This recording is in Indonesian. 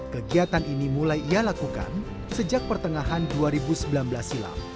kegiatan ini mulai ia lakukan sejak pertengahan dua ribu sembilan belas silam